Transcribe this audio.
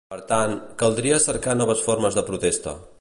Per tant, caldria cercar noves formes de protesta.